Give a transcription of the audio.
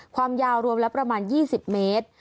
ความยาวรวมแล้วประมาณ๒๐เมตร